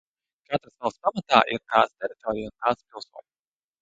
Katras valsts pamatā ir tās teritorija un tās pilsoņi.